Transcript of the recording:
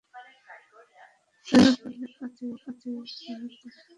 তারপর দুজনেই অধীর আগ্রহ নিয়ে শালিক দুটোকে কিছুটা কথা বলা শিখিয়েছিল।